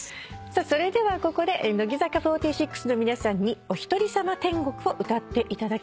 それではここで乃木坂４６の皆さんに『おひとりさま天国』を歌っていただきます。